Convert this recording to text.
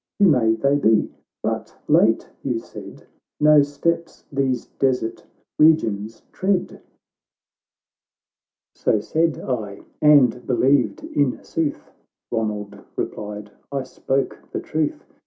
Who may they be ? But late you said No steps these desert regions tread ?"— XVIII " So said I — and believed in sooth," Ronald replied, " I spoke the truth.